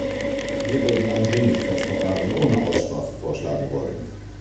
Wir würden ein Dringlichkeitsverfahren ohne Aussprache vorschlagen wollen.